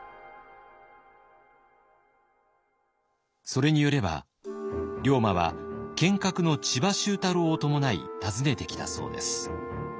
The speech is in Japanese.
それによれば龍馬は剣客の千葉周太郎を伴い訪ねてきたそうです。